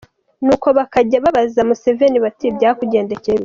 Nuko bakajya babaza Museveni bati: ‘Byakugendekeye bite?’.